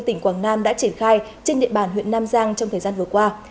tỉnh quảng nam đã triển khai trên địa bàn huyện nam giang trong thời gian vừa qua